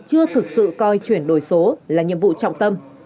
chưa thực sự coi chuyển đổi số là nhiệm vụ trọng tâm